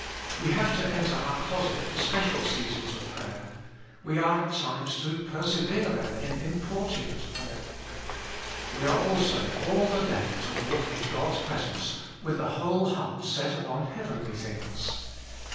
We have to enter our closet for special seasons of prayer ; we are at times to persevere there in importunate prayer. We are also all the day to walk in God s presence, with the whole heart set upon heavenly things.